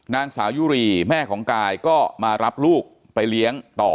นางสาวยุรีแม่ของกายก็มารับลูกไปเลี้ยงต่อ